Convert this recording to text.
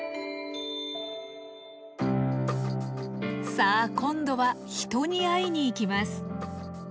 さあ今度は人に会いに行きます。